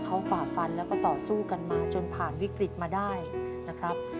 เขาฝ่าฟันแล้วก็ต่อสู้กันมาจนผ่านวิกฤตมาได้นะครับ